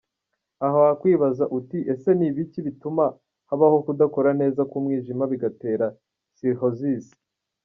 Aha wakwibaza uti ese ni ibiki bituma habaho kudakora neza k’umwijima bigatera Cirrhosis?.